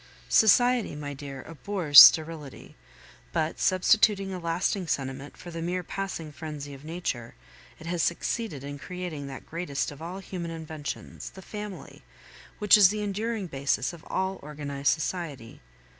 Society, my dear abhors sterility; but substituting a lasting sentiment for the mere passing frenzy of nature, it has succeeded in creating that greatest of all human inventions the family, which is the enduring basis of all organized society.